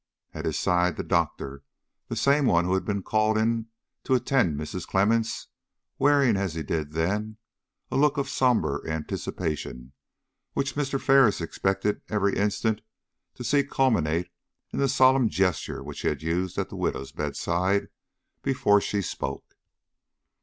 At his side the doctor the same one who had been called in to attend Mrs. Clemmens wearing, as he did then, a look of sombre anticipation which Mr. Ferris expected every instant to see culminate in the solemn gesture which he had used at the widow's bedside before she spoke.